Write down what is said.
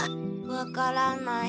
分からない。